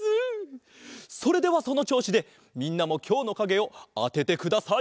それではそのちょうしでみんなもきょうのかげをあててください。